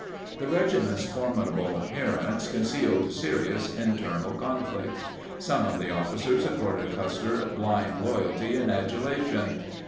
The regiment's formidable appearance concealed serious internal conflicts. Some of the officers ac corded Custer blind loyalty and adulation.